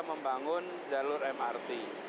membangun jalur mrt